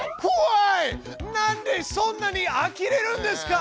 なんでそんなにあきれるんですか！